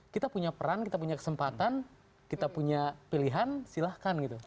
kita punya peran kita punya kesempatan kita punya pilihan silahkan gitu